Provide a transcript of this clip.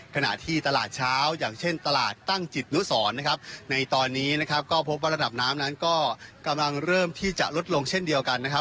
ขณะที่ตลาดเช้าอย่างเช่นตลาดตั้งจิตนุสรนะครับในตอนนี้นะครับก็พบว่าระดับน้ำนั้นก็กำลังเริ่มที่จะลดลงเช่นเดียวกันนะครับ